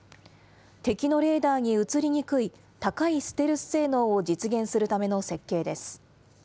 敵のレーダーに映りにくい、高いステルス性能を実現するための設計です。